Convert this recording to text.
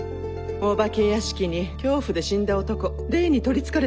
お化け屋敷に恐怖で死んだ男霊に取りつかれた女まで。